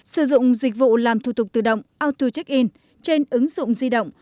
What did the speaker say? sử dụng dịch vụ làm thủ tục tự động auto check in trên ứng dụng di động